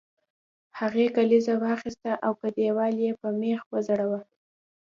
هغې کلیزه واخیسته او په دیوال یې په میخ وځړوله